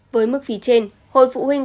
với mức phí trên hội phụ huynh